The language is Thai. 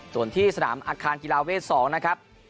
ส่วนที่สนามอาคารกีฬาเวท๒นะครับ